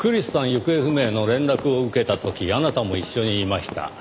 行方不明の連絡を受けた時あなたも一緒にいました。